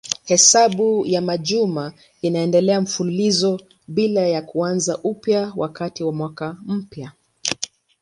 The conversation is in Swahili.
Hesabu ya majuma inaendelea mfululizo bila ya kuanza upya wakati wa mwaka mpya.